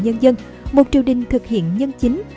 nhân dân một triều đình thực hiện nhân chính